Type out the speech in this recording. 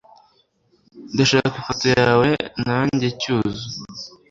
Ndashaka ifoto yawe nange Cyuzu.